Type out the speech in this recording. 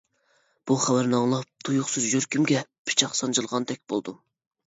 بۇ خەۋەرنى ئاڭلاپ تۇيۇقسىز يۈرىكىمگە پىچاق سانجىلغاندەك بولدۇم.